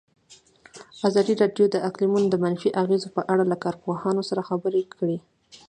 ازادي راډیو د اقلیتونه د منفي اغېزو په اړه له کارپوهانو سره خبرې کړي.